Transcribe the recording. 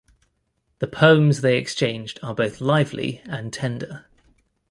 The poems they exchanged are both lively and tender.